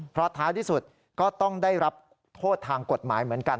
เพราะท้ายที่สุดก็ต้องได้รับโทษทางกฎหมายเหมือนกัน